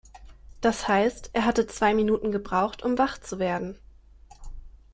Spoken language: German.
Das heißt, er hatte zwei Minuten gebraucht, um wach zu werden.